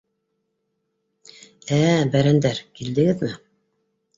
— Ә-ә-ә, бәрәндәр, килдегеҙме!